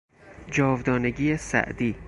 جاودانگی سعدی